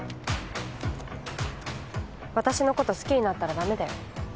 私の事好きになったら駄目だよ。